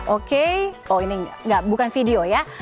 oke oh ini bukan video ya